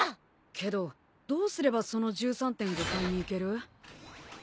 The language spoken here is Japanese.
けどどうすればその１３．５階に行ける？・・おっ？